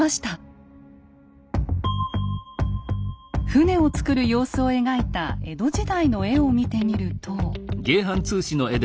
船を造る様子を描いた江戸時代の絵を見てみると。